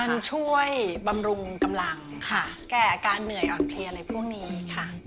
มันช่วยบำรุงกำลังค่ะแก่อาการเหนื่อยอ่อนเพลียอะไรพวกนี้ค่ะ